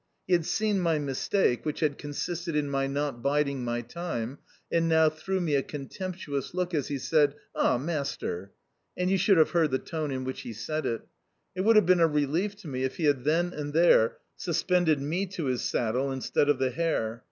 He had seen my mistake (which had consisted in my not biding my time), and now threw me a contemptuous look as he said, "Ah, master!" And you should have heard the tone in which he said it! It would have been a relief to me if he had then and there suspended me to his saddle instead of the hare.